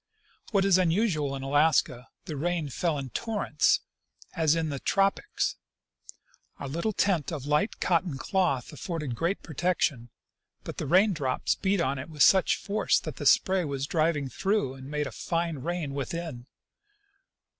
What is unusual in Alaska, the rain fell in torrents, as in the tropics. Our little tent of light cotton cloth afforded great protection, but the rain drops beat on it with such force that the spray was driven through and made a fine rain within.